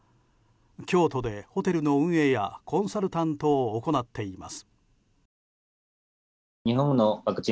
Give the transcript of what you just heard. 京都でホテルの運営やコンサルタントを行っています。